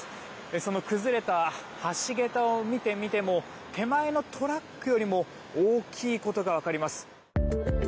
その崩れた橋桁を見てみても手前のトラックよりも大きいことがわかります。